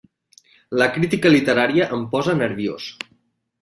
La crítica literària em posa nerviós!